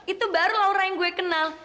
itu baru laura yang gue kenal